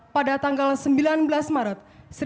pada tanggal sembilan belas maret